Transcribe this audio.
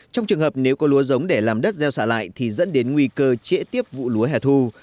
trong trường hợp nếu có lúa giống để làm đất gieo xạ lại thì dẫn đến nguy cơ trễ tiếp vụ lúa hẻ thu